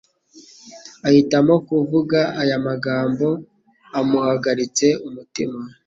ahitamo kuvuga aya magambo amuhagaritse umutima